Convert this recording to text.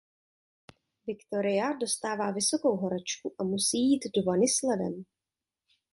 Victoria dostává vysokou horečku a musí jít do vany s ledem.